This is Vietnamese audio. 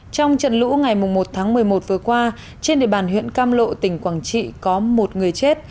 trong trận lũ ngày một tháng một mươi một vừa qua trên địa bàn huyện cam lộ tỉnh quảng trị có một người chết